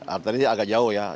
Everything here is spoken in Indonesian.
arteri agak jauh ya